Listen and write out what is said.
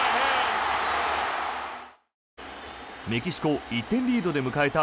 メキシコ１点リードで迎えた